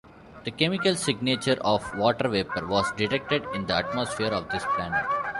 The chemical signature of water vapour was detected in the atmosphere of this planet.